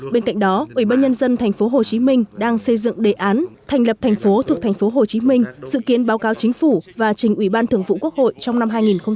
bên cạnh đó ủy ban nhân dân tp hcm đang xây dựng đề án thành lập thành phố thuộc tp hcm dự kiến báo cáo chính phủ và trình ủy ban thường vụ quốc hội trong năm hai nghìn hai mươi